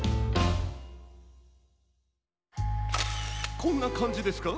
こんなかんじですか？